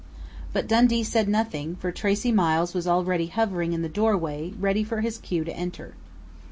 But Dundee said nothing, for Tracey Miles was already hovering in the doorway, ready for his cue to enter.